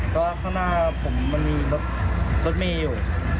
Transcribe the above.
ก็ข้างหน้าผมมันมีรถเมียอยู่